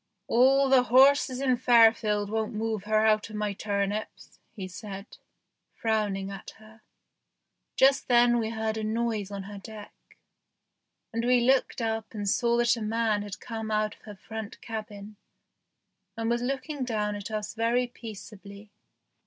"All the horses in Fairfield won't move her out of my turnips," he said, frowning at her. Just then we heard a noise on her deck, and we looked up and saw that a man had come out of her front cabin and was looking down at us very peaceably.